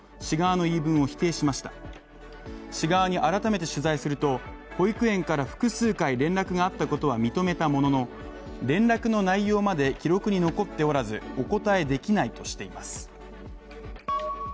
市側に改めて取材すると保育園から複数回連絡があったことは認めたものの連絡の内容まで記録に残っておらずお答えできないとしています。